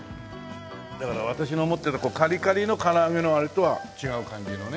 だから私が思ってるカリカリの唐揚げのあれとは違う感じのね。